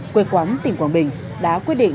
quê quán tỉnh quảng bình đã quyết định